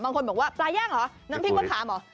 บางคนบอกว่าปลาย่างเหรอน้ำพริกมะขามเหรอ